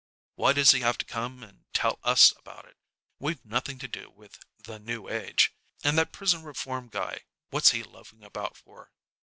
"Why does he have to come and tell us about it? We've nothing to do with 'The New Age.' And that prison reform guy, what's he loafing about for?"